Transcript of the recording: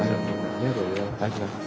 ありがとうございます。